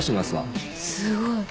すごい。